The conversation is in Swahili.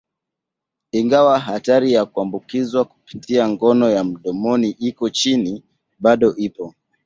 Ingawa hatari ya kuambukizwa kupitia ngono ya mdomoni iko chini, bado ipo.